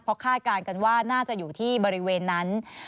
เพราะคาดการณ์กันว่าน่าจะอยู่ที่บริเวณนั้น